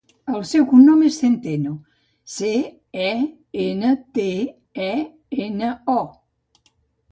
El seu cognom és Centeno: ce, e, ena, te, e, ena, o.